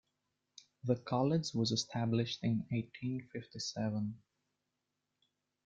The college was established in eighteen fifty seven.